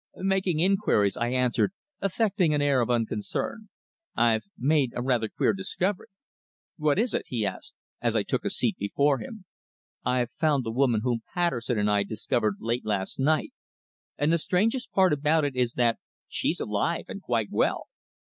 "Making inquiries," I answered, affecting an air of unconcern. "I've made a rather queer discovery." "What is it?" he asked, as I took a seat before him. "I've found the woman whom Patterson and I discovered dead last night, and the strangest part about it is that she's alive and quite well."